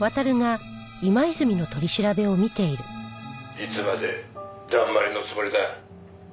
「いつまでだんまりのつもりだ？」